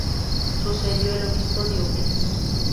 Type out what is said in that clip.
Sucedió al Obispo Diógenes.